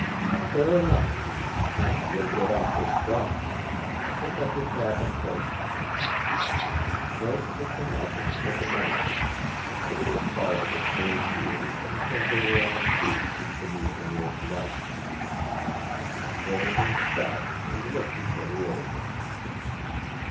"Fair enough. Now we'll get off this dock. Pick up your cap and coat." Murk picked them up and put them on, and then he followed at Prale's heels until they were on the street and beneath the nearest light. There they stopped and looked each other over.